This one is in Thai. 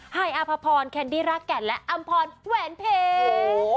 ไฮอัพพรแคนดี้ราแก่นและอำพอร์นแหวนเพง